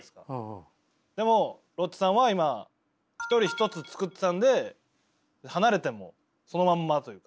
でもロッチさんは今１人１つ作ってたんで離れてもそのまんまというか。